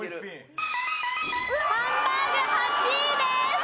ハンバーグ８位です！